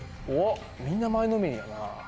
みんな前のめりだな。